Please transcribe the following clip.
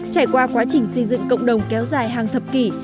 trải qua quá trình xây dựng cộng đồng kéo dài hàng thập kỷ